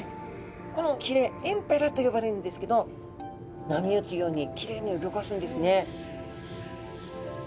このひれエンペラとよばれるんですけど波打つようにキレイにうギョかすんですね。